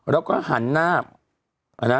แล้วก็หันหน้า